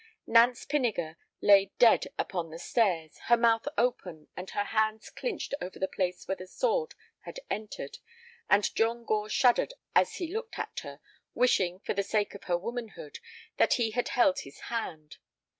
Nance Pinniger lay dead upon the stairs, her mouth open and her hands clinched over the place where the sword had entered, and John Gore shuddered as he looked at her, wishing, for the sake of her womanhood, that he had held his hand.